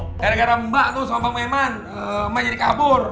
gara gara mbak tuh sama bang meman emak jadi kabur